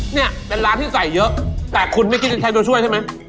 เนี่ยเป็นร้านที่ใส่เยอะแต่คุณไม่คิดจะใช้ตัวช่วยใช่ไหม